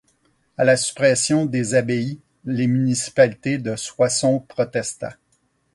À la suppression des abbayes, la municipalité de Soissons protesta.